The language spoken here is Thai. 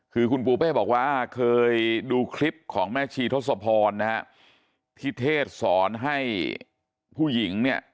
คือคุณปูเป้บอกว่าเคยดูคลิปของแม่ชีทศพรนะฮะที่เทศสอนให้ผู้หญิงเนี่ย